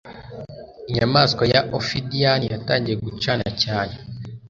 Inyamaswa ya ophidian yatangiye gucana cyane,